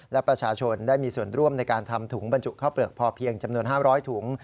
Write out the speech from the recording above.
และประชาชนได้มีส่วนร่วมในการทำถุงบรรจุข้าวเปลือกพอเพียงจำนวน๕๐๐ถุง